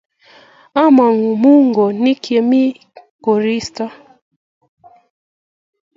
Amo muongonik yemi koristo